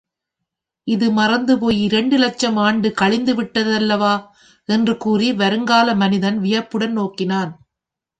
இது மறந்துபோய் இரண்டு லட்சம் ஆண்டு கழிந்து விட்டதல்லவா? என்று கூறி வருங்கால மனிதன் வியப்புடன் நோக்கினான்.